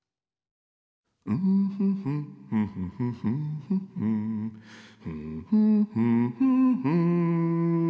「フフフンフフフフフフンフフフフフン」